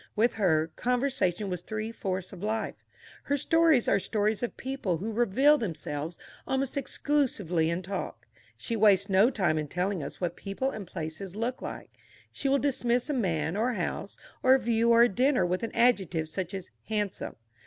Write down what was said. With her, conversation was three fourths of life. Her stories are stories of people who reveal themselves almost exclusively in talk. She wastes no time in telling us what people and places looked like. She will dismiss a man or a house or a view or a dinner with an adjective such as "handsome."